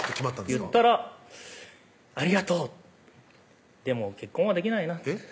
言ったら「ありがとうでも結婚はできないな」